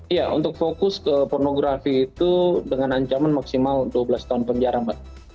iya untuk fokus ke pornografi itu dengan ancaman maksimal dua belas tahun penjara mbak